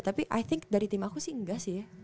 tapi i think dari tim aku sih enggak sih ya